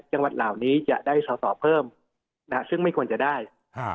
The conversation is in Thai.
จังหวัดเหล่านี้จะได้สอสอเพิ่มนะฮะซึ่งไม่ควรจะได้อ่า